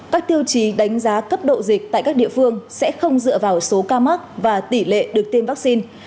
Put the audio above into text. các tiêu chí đánh giá cấp độ dịch tại các địa phương sẽ không dựa vào số ca mắc và tỷ lệ được tiêm vaccine